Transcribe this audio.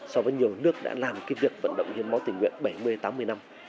so với nhiều nước đã làm kinh việc vận động hiến máu tình nguyện bảy mươi tám mươi năm